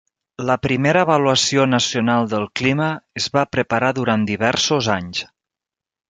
La primera Avaluació Nacional del Clima es va preparar durant diversos anys.